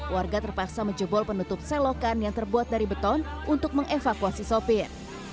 warga terpaksa menjebol penutup selokan yang terbuat dari beton untuk mengevakuasi sopir